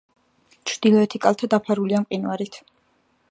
ჩრდილოეთი კალთა დაფარულია მყინვარით.